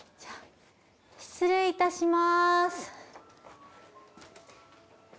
失礼いたします。